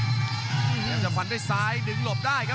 พยายามจะฝันด้วยซ้ายหนึ่งหลบได้ครับ